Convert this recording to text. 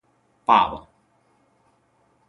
爸爸